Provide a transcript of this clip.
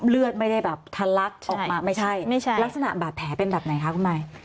เลือดไม่ได้แบบทะลักออกมาไม่ใช่ลักษณะบาดแผลเป็นแบบไหนคะคุณมาย